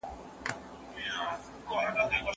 وزیرانو به سیاسي ستونزي حل کولې.